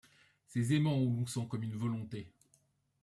Ces aimants où l’on sent comme une volonté